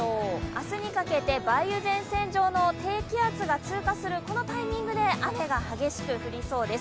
明日にかけて梅雨前線上の低気圧が、通過するこのタイミングで雨が激しく降りそうです。